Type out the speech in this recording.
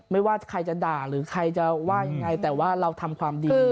ไม่ว่าใครจะด่าหรือใครจะว่ายังไงแต่ว่าเราทำความดี